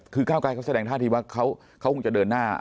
คือก้าวไกรเขาแสดงท่าทีว่าเขาคงจะเดินหน้า